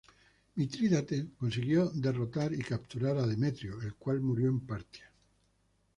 Mitrídates consiguió derrotar y capturar a Demetrio, el cual murió en Partia.